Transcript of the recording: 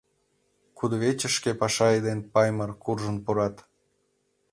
Кудывечышке Пашай ден Паймыр куржын пурат.